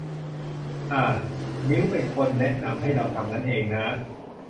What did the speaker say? อ๋า นิ้วเป็นคนแนะนำให้เราทำงั้นเองน้า